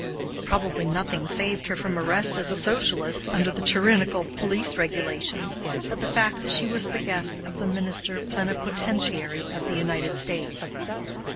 Probably nothing saved her from arrest as a socialist, under the tyrannical police regulations, but the fact that she was the guest of the Minister Plenipotentiary of the United States.